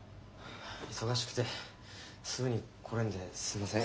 忙しくてすぐに来れんですんません。